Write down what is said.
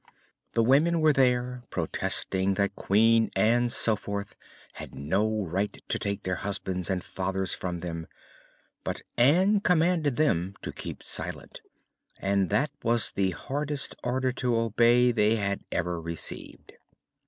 The women were there, protesting that Queen Ann Soforth had no right to take their husbands and fathers from them; but Ann commanded them to keep silent, and that was the hardest order to obey they had ever received.